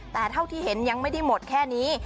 แต่เท่าที่เห็นยังไม่ได้หมดแค่นี้